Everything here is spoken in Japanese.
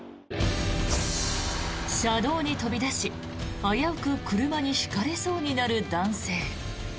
車道に飛び出し、危うく車にひかれそうになる男性。